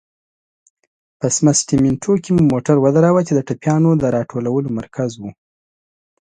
په سمسټمینټو کې مو موټر ودراوه، چې د ټپيانو د را ټولولو مرکز و.